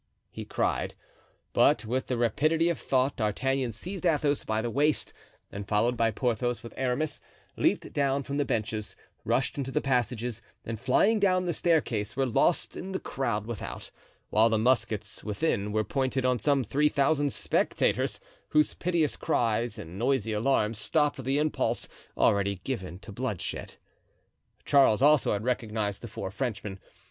he cried. But with the rapidity of thought D'Artagnan seized Athos by the waist, and followed by Porthos with Aramis, leaped down from the benches, rushed into the passages, and flying down the staircase were lost in the crowd without, while the muskets within were pointed on some three thousand spectators, whose piteous cries and noisy alarm stopped the impulse already given to bloodshed. Charles also had recognized the four Frenchmen.